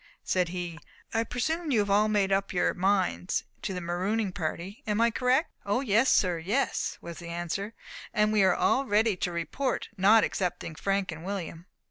Said he, "I presume you have all made up your minds to the marooning party; am I correct?" "O yes, sir, yes," was the answer, "and we are all ready to report, not excepting Frank and William."